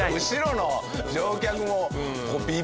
後ろの乗客はもう。